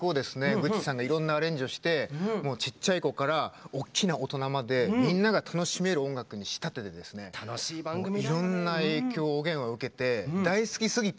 グッチさんがいろんなアレンジをしてちっちゃい子から大きな大人までみんなが楽しめる音楽に仕立てていろんな影響をおげんは受けて大好きすぎてね。